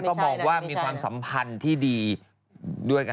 ก็มองว่ามีความสัมพันธ์ที่ดีด้วยกัน